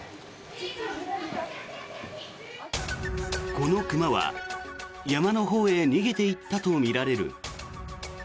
この熊は山のほうへ逃げていったとみられる。